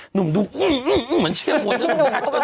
หนุ่มดูอื้อเหมือนเชียวบวน